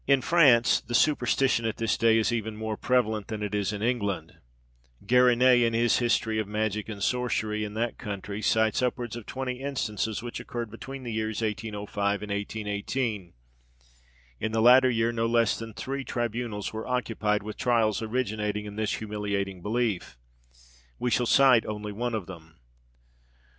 In France, the superstition at this day is even more prevalent than it is in England. Garinet, in his history of Magic and Sorcery in that country, cites upwards of twenty instances which occurred between the years 1805 and 1818. In the latter year no less than three tribunals were occupied with trials originating in this humiliating belief: we shall cite only one of them.